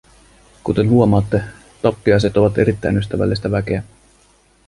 Kuten huomaatte, tappiaiset ovat erittäin ystävällistä väkeä.